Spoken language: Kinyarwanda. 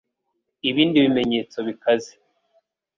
Ibindi bimenyetso bikaze :